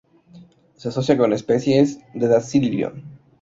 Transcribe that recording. Se asocia con especies de "Dasylirion".